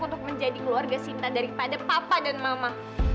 untuk menjadi keluarga sinta daripada papa dan mama